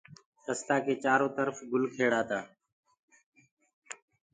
رستآ ڪي چآرو ترڦ گُل کيڙآ تآ